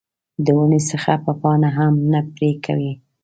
د ونې څخه به پاڼه هم نه پرې کوې.